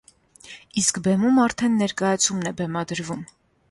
Իսկ բեմում արդեն ներկայացումն է բեմադրվում։